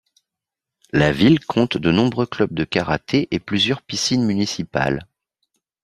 La ville compte de nombreux clubs de karaté et plusieurs piscines municipales.